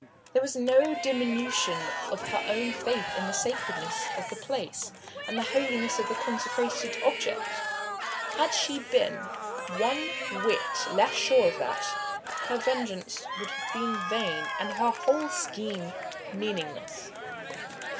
There was no diminution of her own faith in the sacredness of the place and the holiness of the consecrated object had she been one whit less sure of that, her vengeance would have been vain and her whole scheme meaningless.